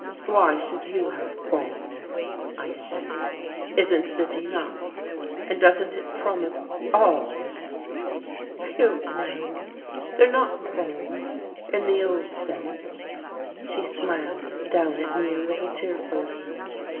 "Why should you have qualms?" I said. "Isn't this enough? and doesn't it promise all?" "I don't know. They're not qualms in the old sense." She smiled down at me a little tearfully.